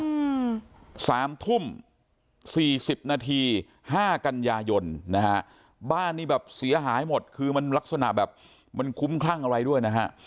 อืมสามทุ่มสี่สิบนาทีห้ากันยายนนะฮะบ้านนี้แบบเสียหายหมดคือมันลักษณะแบบมันคุ้มคลั่งอะไรด้วยนะฮะ